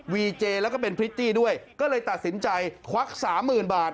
เจแล้วก็เป็นพริตตี้ด้วยก็เลยตัดสินใจควักสามหมื่นบาท